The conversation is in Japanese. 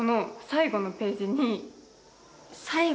最後のページ？